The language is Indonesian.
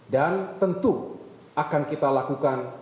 dan tentu akan kita lakukan